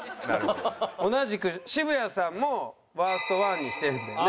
同じく渋谷さんもワースト１にしてるんだよね。